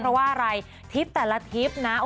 เพราะว่าอะไรทิศแต่ละทิศนะ